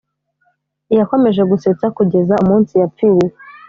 yakomeje gusetsa kugeza umunsi yapfiriye.